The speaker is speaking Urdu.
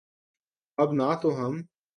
اب نہ تو ہم